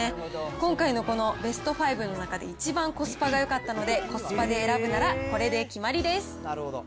今回のこのベスト５の中で、一番コスパがよかったので、コスパで選ぶならこれで決まりです。